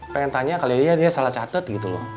pengen tanya kali ya dia salah catet gitu loh